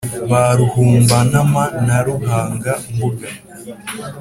ba ruhumba-ntama na ruhanga-mbuga